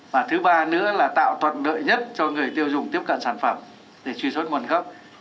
và thứ ba nữa là tạo thuận lợi nhất cho người tiêu dùng tiếp cận sản phẩm để truy xuất nguồn gốc